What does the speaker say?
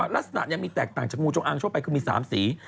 รัศนาจยังมีแตกต่างจากมูจงอางช่วงไปคือมี๓สี